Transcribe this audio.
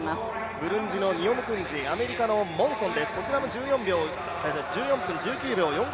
ブルンジのニヨムクンジ、アメリカのモンソン。